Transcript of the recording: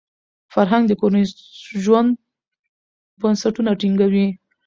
فرهنګ د کورني ژوند بنسټونه ټینګوي.